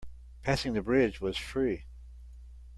Passing the bridge was free.